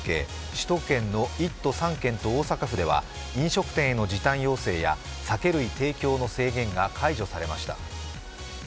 首都圏の１都３県と大阪府では飲食店への時短要請や酒類提供の制限が解除されました。